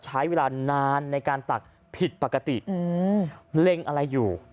ใช้เวลานานในการตักผิดปกติเล็งอะไรอยู่